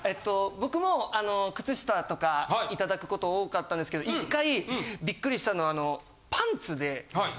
僕も靴下とかいただくこと多かったんですけど１回びっくりしたのは。